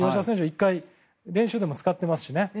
１回練習でも使ってますしね。